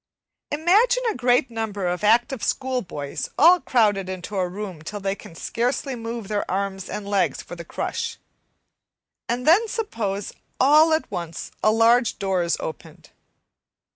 Imagine a great number of active schoolboys all crowded into a room till they can scarcely move their arms and legs for the crush, and then suppose all at once a large door is opened.